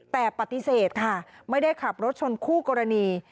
แต่ปฏิเสธค่ะไม่ได้ขับรถชนคู่กรณี